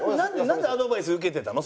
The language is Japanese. なんでアドバイス受けてたの？